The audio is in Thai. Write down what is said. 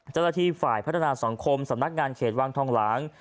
เจ้าหน้าที่ฝ่ายพัฒนาสังคมสำนักงานเขตวังทองหลาง